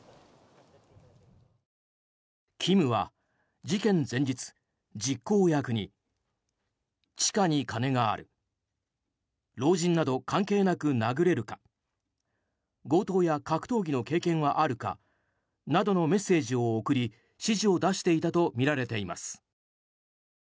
キムは事件当日、実行役に地下に金がある老人など関係なく殴れるか強盗や格闘技の経験はあるかなどのメッセージを送り、指示を出していたとみられています。